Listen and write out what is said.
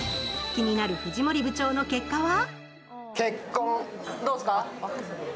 気になる藤森部長の結果は？